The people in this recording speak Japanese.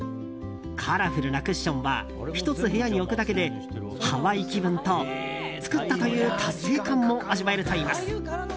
カラフルなクッションは１つ部屋に置くだけでハワイ気分と作ったという達成感も味わえるといいます。